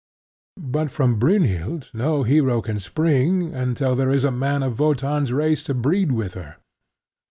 But from Brynhild no hero can spring until there is a man of Wotan's race to breed with her.